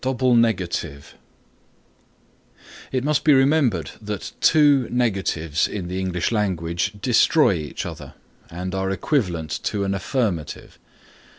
DOUBLE NEGATIVE It must be remembered that two negatives in the English language destroy each other and are equivalent to an affirmative.